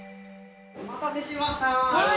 お待たせしました。